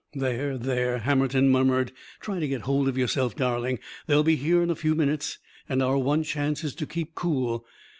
"There! There!" Hammerton murmured. "Try to get hold of yourself, darling! They'll be here in a few minutes. And our one chance is to keep cool.